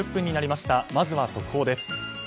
まずは速報です。